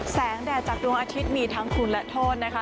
แดดจากดวงอาทิตย์มีทั้งคุณและโทษนะคะ